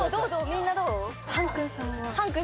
みんなどう？